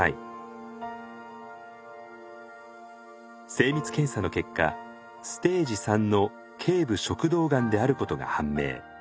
精密検査の結果ステージ３の頸部食道がんであることが判明。